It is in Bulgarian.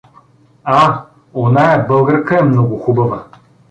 — А, оная българка е много хубава.